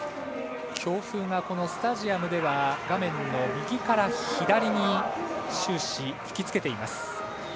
強風が、スタジアムでは画面の右から左に終始、吹きつけています。